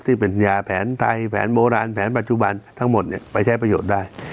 ที่เป็นยาแผนไทยแผนโบราณแผนปัจจุบันทั้งหมดไปใช้ประโยชน์ได้